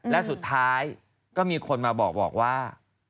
และสุดท้ายก็มีคนมาบอกว่า